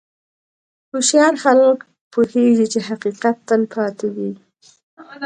هوښیار خلک پوهېږي چې حقیقت تل پاتې وي.